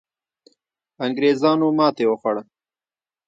انګریزانو ماتې وخوړه.